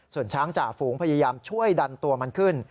ส่วนช้างจ่าฝูงพยายามช่วยดันตัวมันขึ้น